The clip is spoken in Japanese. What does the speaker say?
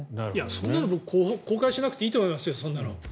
そんなの僕公開しなくていいと思いますよ。